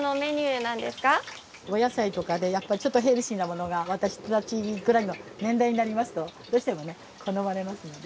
お野菜とかでやっぱりちょっとヘルシーなものが私たちくらいの年代になりますとどうしても好まれますので。